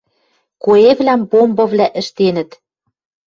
Коэвлӓм бомбывлӓ ӹштенӹт.